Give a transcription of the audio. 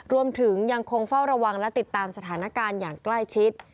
ยังคงเฝ้าระวังและติดตามสถานการณ์อย่างใกล้ชิด